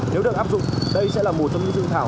nếu được áp dụng đây sẽ là một trong những dự thảo